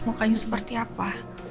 mukanya seperti apa